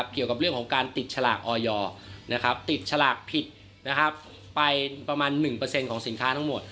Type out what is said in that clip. เกี่ยวกับเรื่องของการติดฉลากออยติดฉลากผิดไปประมาณ๑ของสินค้าทั้งหมด